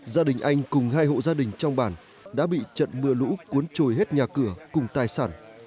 gia đình anh cùng hai hộ gia đình trong bản đã bị trận mưa lũ cuốn trôi hết nhà cửa cùng tài sản